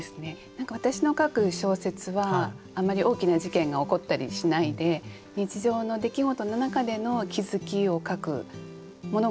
何か私の書く小説はあんまり大きな事件が起こったりしないで日常の出来事の中での気付きを書くものが多いんですね。